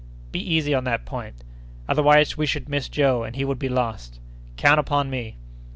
"Be easy on that point." "Otherwise, we should miss Joe, and he would be lost." "Count upon me!"